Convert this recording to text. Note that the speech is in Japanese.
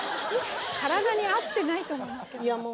体に合ってないと思いますけど。